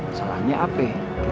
kesalahannya apa ya